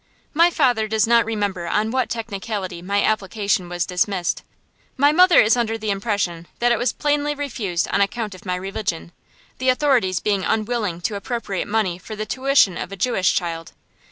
My father does not remember on what technicality my application was dismissed. My mother is under the impression that it was plainly refused on account of my religion, the authorities being unwilling to appropriate money for the tuition of a Jewish child.